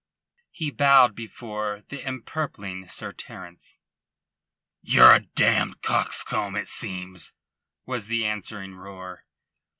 He bowed before the empurpling Sir Terence. "Ye're a damned coxcomb, it seems," was the answering roar.